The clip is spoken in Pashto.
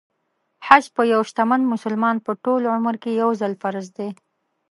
حج په یو شتمن مسلمان په ټول عمر کې يو ځل فرض دی .